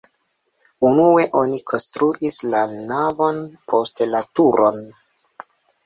Unue oni konstruis la navon, poste la turon.